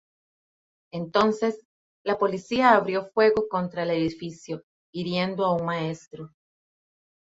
Entonces, la policía abrió fuego contra el edificio, hiriendo a un maestro.